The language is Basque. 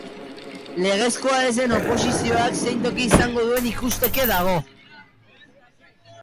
Legezkoa ez den oposizioak zein toki izango duen ikusteke dago.